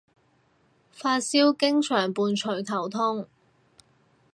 發燒經常伴隨頭痛